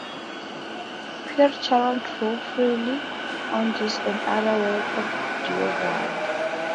Pierre Charron drew freely on these and other works of Du Vair.